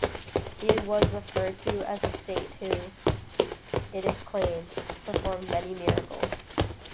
He was referred to as a saint who, it is claimed, performed many miracles.